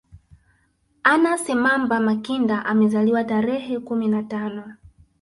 Anna Semamba Makinda amezaliwa tarehe kumi na tano